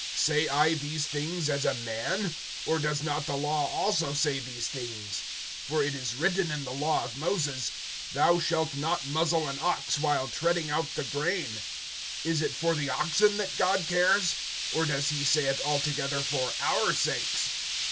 (8)Say I these things as a man? Or does not the law also say these things? (9)For it is written in the law of Moses: Thou shalt not muzzle an ox while treading out the grain. Is it for the oxen that God cares? (10)Or does he say it altogether for our sakes?